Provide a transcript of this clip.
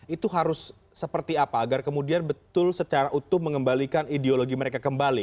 itu harus seperti apa agar kemudian betul secara utuh mengembalikan ideologi mereka kembali